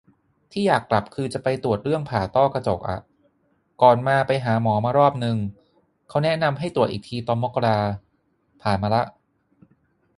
ที่อยากกลับคือจะไปตรวจเรื่องผ่าต้อกระจกอะ ก่อนมาไปหาหมอมารอบนึง เขาแนะนำให้ตรวจอีกทีตอนมกรา ผ่านมาละ